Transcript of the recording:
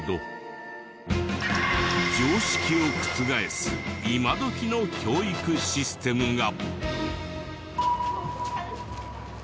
常識を覆す今どきの教育システムが。